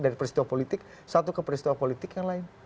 dari peristiwa politik satu ke peristiwa politik yang lain